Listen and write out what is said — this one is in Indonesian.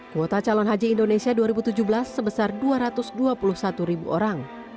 kuota calon haji indonesia dua ribu tujuh belas sebesar dua ratus dua puluh satu ribu orang